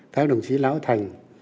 các đồng chí lão thành